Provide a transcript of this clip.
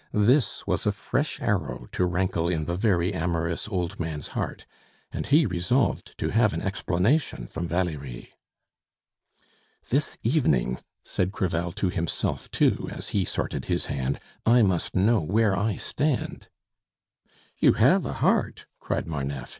This was a fresh arrow to rankle in the very amorous old man's heart, and he resolved to have an explanation from Valerie. "This evening," said Crevel to himself too, as he sorted his hand, "I must know where I stand." "You have a heart!" cried Marneffe.